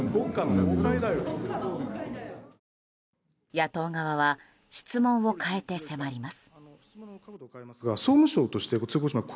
野党側は質問を変えて迫ります。